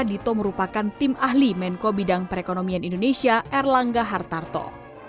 dito merupakan tim ahli menko bidang perekonomian indonesia erlangga hartarto